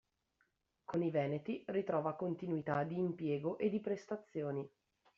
Con i veneti ritrova continuità di impiego e di prestazioni.